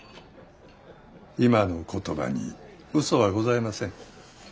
今の言葉にうそはございません。